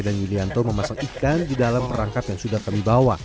dan yulianto memasang ikan di dalam perangkap yang sudah kami bawa